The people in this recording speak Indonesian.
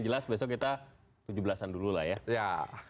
jelas besok kita tujuh belas an dululah ya ya